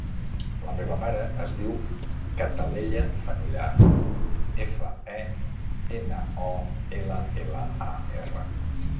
La meva mare es diu Cataleya Fenollar: efa, e, ena, o, ela, ela, a, erra.